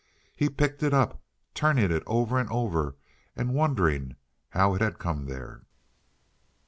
He picked it up, turning it over and over, and wondering how it had come there.